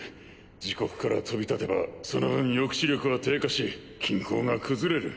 自国から飛び立てばその分抑止力は低下し均衡が崩れる。